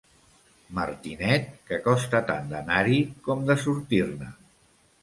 Martinet, que costa tant d'anar-hi com de sortir-ne.